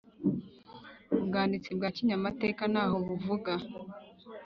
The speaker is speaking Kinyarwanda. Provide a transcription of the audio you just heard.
ubwanditsi bwa kinyamateka ntaho buvuga